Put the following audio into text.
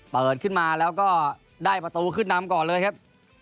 เปิดขึ้นมาแล้วก็ได้ประตูขึ้นนำก่อนเลยครับ